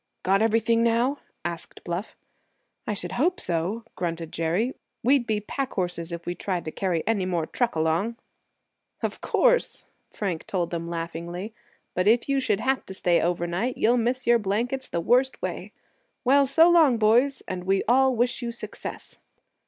"Got everything now?" asked Bluff. "I should hope so," grunted Jerry. "We'd be pack horses if we tried to carry any more truck along." "Of course," Frank told them, laughingly; "but if you should have to stay over to night you'll miss your blankets the worst way. Well, so long, boys, and we all wish you success."